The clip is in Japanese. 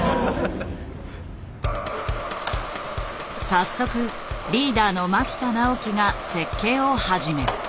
早速リーダーの牧田直希が設計を始める。